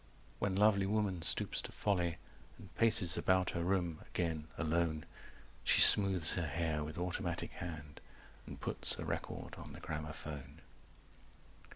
When lovely woman stoops to folly and Paces about her room again, alone, She smoothes her hair with automatic hand, 255 And puts a record on the gramophone.